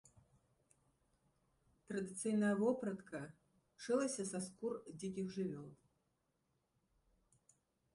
Традыцыйная вопратка шылася са скур дзікіх жывёл.